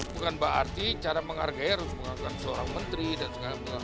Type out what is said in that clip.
bukan berarti cara menghargai harus menghargakan seorang menteri dan segala macam